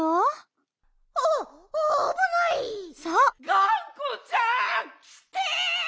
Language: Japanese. ・がんこちゃんきて！